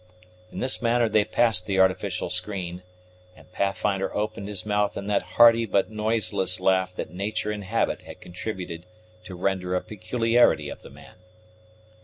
In this manner they passed the artificial screen, and Pathfinder opened his mouth in that hearty but noiseless laugh that nature and habit had contributed to render a peculiarity of the man.